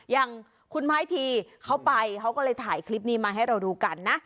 อย่างคุณไม้ทีเขาไปเขาก็เลยถ่ายคลิปนี้มาให้เราดูกันนะ